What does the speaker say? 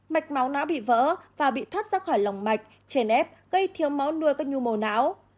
mạch máu nát bị vỡ và bị thoát ra khỏi lòng mạch trên ép gây thiếu máu nuôi các nhu mồ não